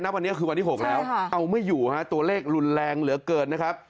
วันนี้คือวันที่๖แล้วเอาไม่อยู่ฮะตัวเลขรุนแรงเหลือเกินนะครับ